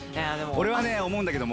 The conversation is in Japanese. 俺はね思うんだけど。